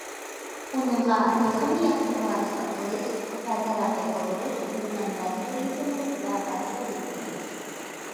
ئۇنىڭغا تېخىمۇ ياخشى ۋارىسلىق قىلىش ۋە تەرەققىي قىلدۇرۇش بىزنىڭ مەجبۇرىيىتىمىز ۋە مەسئۇلىيىتىمىز.